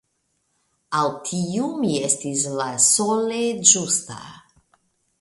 Al tiu mi estis la sole ĝusta!